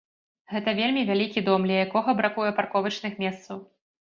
Гэта вельмі вялікі дом, ля якога бракуе парковачных месцаў.